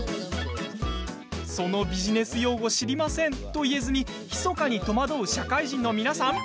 「そのビジネス用語知りません」と言えずにひそかに戸惑う社会人の皆さん！